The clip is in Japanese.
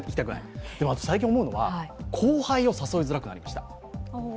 最近思うのは、後輩を誘いづらくなりました。